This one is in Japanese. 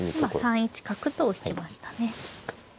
今３一角と引きましたね。